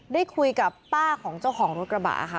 ได้คุยกับป้าของเจ้าของรถกระบะค่ะ